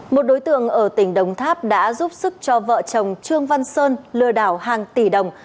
một đối tượng ở tỉnh đồng tháp đã giúp sức cho vợ chồng trương văn sơn lừa đảo hàng tỷ đồng